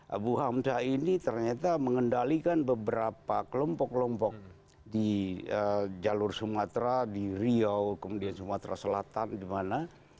abu hamzah ini ternyata mengendalikan beberapa kelompok kelompok di jalur sumatera di riau kemudian sumatera selatan di mana